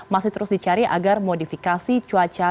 masih terus dicari agar modifikasi cuaca